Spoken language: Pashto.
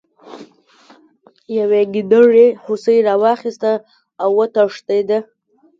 یوې ګیدړې هوسۍ راواخیسته او وتښتیده.